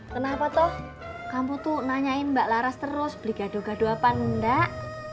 kenapa toh kamu tuh nanyain mbak laras terus beli gado gado apa enggak